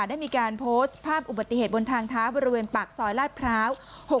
ได้มีการโพสต์ภาพอุบัติเหตุบนทางเท้าบริเวณปากซอยลาดพร้าว๖๖